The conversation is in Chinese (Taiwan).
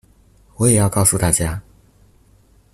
我也要告訴大家